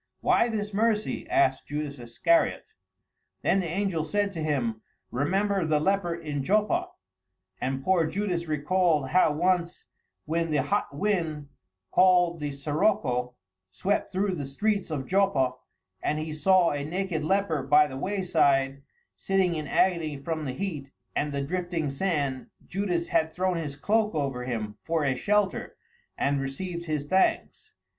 "Why this mercy?" asked Judas Iscariot. Then the angel said to him, "Remember the leper in Joppa," and poor Judas recalled how once when the hot wind, called the sirocco, swept through the streets of Joppa, and he saw a naked leper by the wayside, sitting in agony from the heat and the drifting sand, Judas had thrown his cloak over him for a shelter and received his thanks.